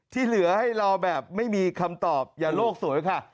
ที่เหลือให้รอแบบไม่มีคำตอบอย่าโลกสวยค่ะ